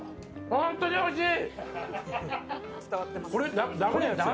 本当においしい！